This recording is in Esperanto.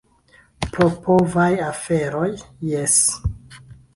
Pro povaj aferoj, jes.